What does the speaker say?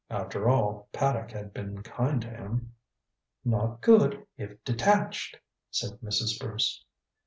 After all, Paddock had been kind to him. "Not good if detached," said Mrs. Bruce.